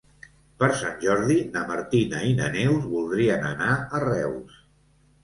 Per Sant Jordi na Martina i na Neus voldrien anar a Reus.